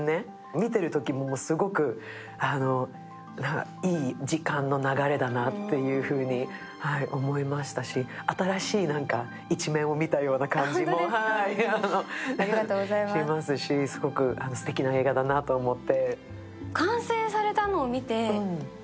見てるときもすごくいい時間の流れだなというふうに思いましたし、新しい一面を見たような感じもしますし、すごくすてきな映画だなと思って。